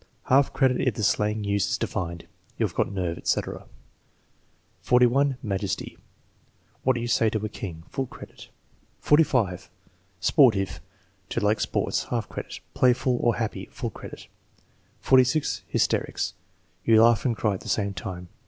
Half credit if the slang use is defined, "You've got nerve," etc. 41. Majesty. "What you say to a king." (Full credit.) 45. Sportive. "To like sports." (Half credit.) "Playful" or "happy." (Full credit.) 46. Hysterics. "You laugh and cry at the same time."